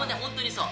そう。